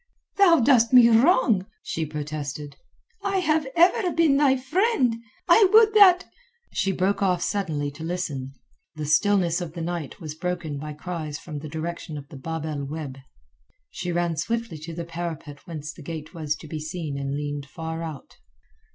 "Thou dost me wrong," she protested. "I have ever been thy friend. I would that...." She broke off suddenly to listen. The stillness of the night was broken by cries from the direction of the Bab el Oueb. She ran swiftly to the parapet whence the gate was to be seen and leaned far out.